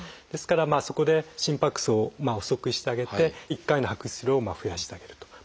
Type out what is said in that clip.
ですからそこで心拍数を遅くしてあげて１回の拍出量を増やしてあげると。